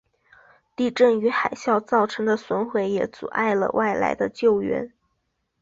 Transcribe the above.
地震与海啸造成的损毁也阻碍了外来的救援。